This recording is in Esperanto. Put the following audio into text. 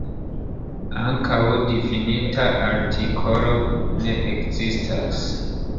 Ankaŭ difinita artikolo ne ekzistas.